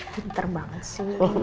pinter banget sih